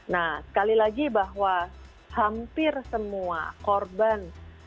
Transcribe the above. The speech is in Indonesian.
nah sekali lagi bahwa hampir semua korban